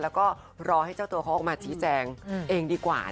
แล้วก็รอให้เจ้าตัวเขาออกมาชี้แจงเองดีกว่า